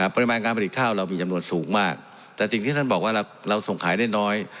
ปริมาณการผลิตข้าวเรามีจำนวนสูงมากแต่สิ่งที่ท่านบอกว่าเราส่งขายได้น้อย